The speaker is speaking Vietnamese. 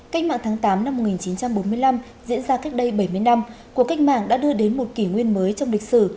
cách mạng tháng tám năm một nghìn chín trăm bốn mươi năm diễn ra cách đây bảy mươi năm cuộc cách mạng đã đưa đến một kỷ nguyên mới trong lịch sử